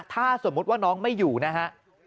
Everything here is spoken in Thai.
ถ้าสมมุติว่าน้องไม่อยู่นะฮะ